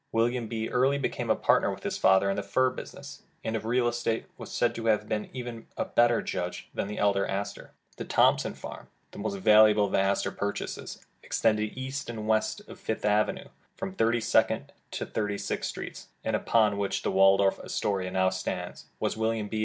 William B. early became a partner with his father in the fur business, and of real estate was said to have been even a better judge than the elder Astor. The Thompson farm, the most valuable of the Astor purchases, extending east and west of Fifth Avenue from Thirty second to Thirty sixth Streets, and upon which the Waldorf Astoria now stands, was William B.